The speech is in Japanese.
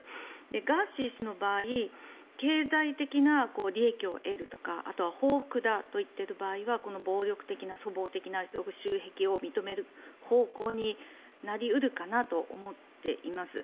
ガーシー氏の場合は経済的な利益を得るとかあとは報復だと言っている場合はこの暴力的な、粗暴的な習癖を認める方向になり得るかなと思っています。